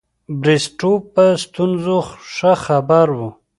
بریسټو په ستونزو ښه خبر وو.